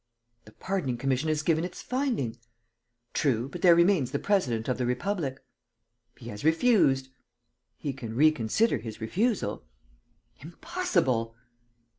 "The pardoning commission has given its finding...." "True, but there remains the president of the Republic." "He has refused." "He can reconsider his refusal." "Impossible!"